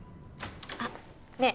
あっねえ